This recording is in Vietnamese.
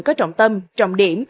có trọng tâm trọng điểm